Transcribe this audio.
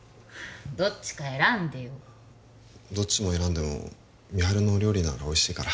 どっちか選んでよどっちを選んでも美晴の料理ならおいしいから